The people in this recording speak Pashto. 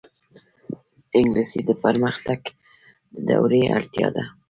انګلیسي د پرمختګ د دورې اړتیا ده